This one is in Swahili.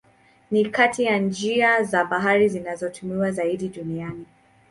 Ni kati ya njia za bahari zinazotumiwa zaidi duniani.